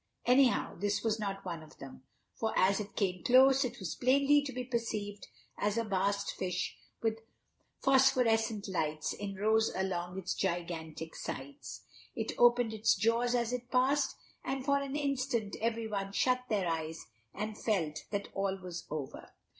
Anyhow, this was not one of them, for, as it came close, it was plainly to be perceived as a vast fish with phosphorescent lights in rows along its gigantic sides. It opened its jaws as it passed, and for an instant everyone shut their eyes and felt that all was over.